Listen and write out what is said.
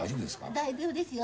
大丈夫ですよ。